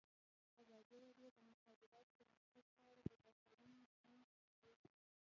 ازادي راډیو د د مخابراتو پرمختګ په اړه د استادانو شننې خپرې کړي.